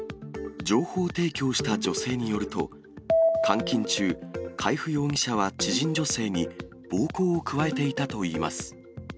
情報提供をした女性によると、監禁中、海部容疑者は知人女性に暴行を加えていたといいます。